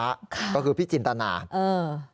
ค่ะก็คือพี่จินตนาเออ